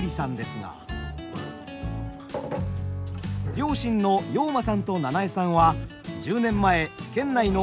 両親の陽馬さんと奈々恵さんは１０年前県内の別の地域から移住。